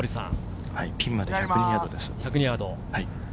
ピンまで１０２ヤードです。